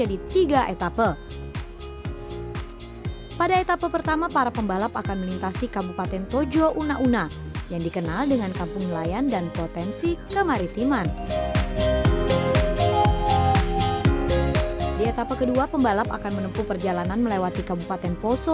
di etapa kedua pembalap akan menempuh perjalanan melewati kabupaten poso